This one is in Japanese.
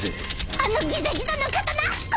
［あのギザギザの刀怖！］